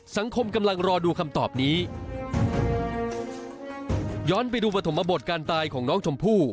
สังคมกำลังรอดูคำตอบนี้ย้อนไปดูปฐมบทการตายของน้องชมพู่